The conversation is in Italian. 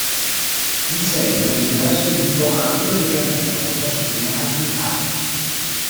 In seguito viene trasferito a Rio de Janeiro dove assume altri incarichi.